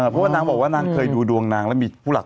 เพราะว่านางบอกว่านางเคยดูดวงนางแล้วมีผู้หลัก